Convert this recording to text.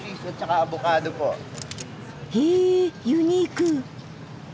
へえユニーク！